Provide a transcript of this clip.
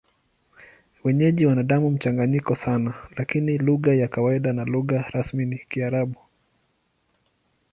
Wenyeji wana damu mchanganyiko sana, lakini lugha ya kawaida na lugha rasmi ni Kiarabu.